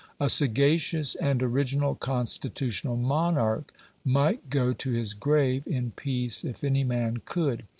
A sagacious and original constitutional monarch might go to his grave in peace if any man could.